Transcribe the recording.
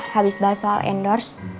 habis bahas soal endorse